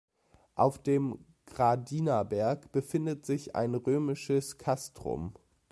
Auf dem Gradina-Berg befindet sich ein römisches Castrum.